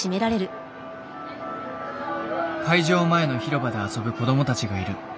会場前の広場で遊ぶ子どもたちがいる。